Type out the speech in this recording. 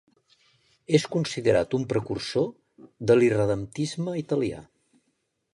És considerat un precursor de l'irredemptisme italià.